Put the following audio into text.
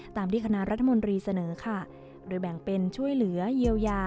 ตามที่คณะรัฐมนตรีเสนอค่ะโดยแบ่งเป็นช่วยเหลือเยียวยา